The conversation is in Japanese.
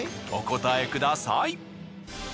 お答えください。